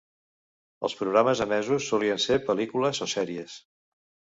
Els programes emesos solien ser pel·lícules o sèries.